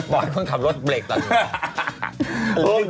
บ่อนว่างขับรถเบรกตอนนี้